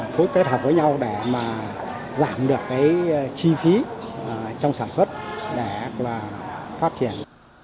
phối hợp với nhau để giảm được chi phí trong sản xuất để phát triển